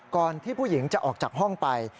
ก่อนที่ผู้หญิงจะออกจากห้องไป